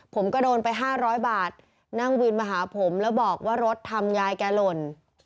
ผมก็โดนไป๕๐๐บาทนั่งวินมาหาผมแล้วบอกว่ารถทำยายแกหล่น